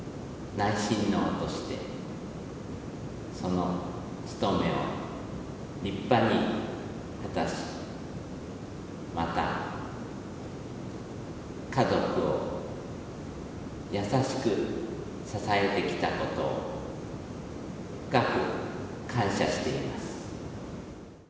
内親王として、その務めを立派に果たし、また、家族を優しく支えてきたことを深く感謝しています。